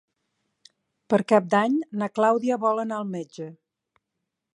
Per Cap d'Any na Clàudia vol anar al metge.